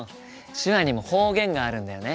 手話にも方言があるんだよね。